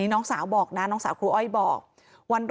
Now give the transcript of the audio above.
มีเรื่องอะไรมาคุยกันรับได้ทุกอย่าง